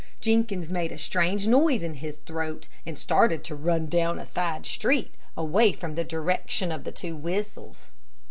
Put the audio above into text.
Jenkins made a strange noise in his throat, and started to run down a side street, away from the direction of the two whistles.